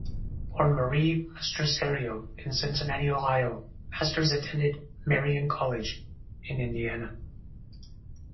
Born Marie Mastruserio in Cincinnati, Ohio, Masters attended Marian College in Indiana.